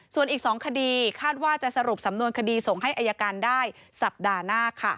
ส่วนอีก๒คดีคาดว่าจะสรุปสำนวนคดีส่งให้อายการได้สัปดาห์หน้า